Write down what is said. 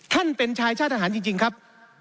เป็นชายชาติทหารจริงครับ